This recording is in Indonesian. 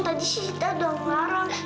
tadi sih kita doang larang